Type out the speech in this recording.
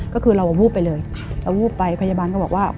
ก็คือเราวูบไปเลยเราวูบไปพยาบาลก็บอกว่า